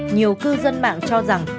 nhiều cư dân mạng cho rằng